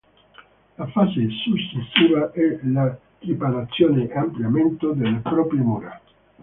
La fase successiva è la riparazione e ampliamento delle proprie mura.